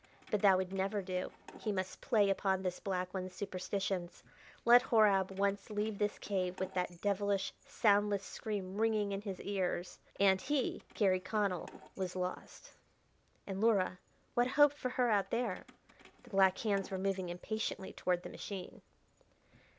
But that would never do: he must play upon this black one's superstitions. Let Horab once leave this cave with that devilish, soundless scream ringing in his ears and he, Garry Connell, was lost. And Luhra! what hope for her out there?... The black hands were moving impatiently toward the machine....